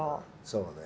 そうね。